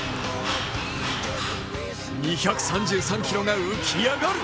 ２３３ｋｇが浮き上がる。